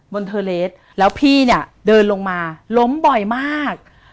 เทอร์เลสแล้วพี่เนี่ยเดินลงมาล้มบ่อยมาก